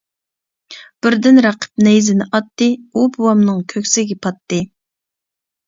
بىردىن رەقىب نەيزىنى ئاتتى، ئۇ بوۋامنىڭ كۆكسىگە پاتتى.